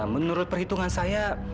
menurut perhitungan saya